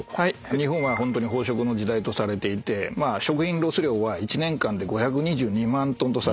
日本は飽食の時代とされていて食品ロス量は１年間で５２２万ｔとされてると。